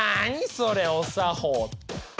それお作法って。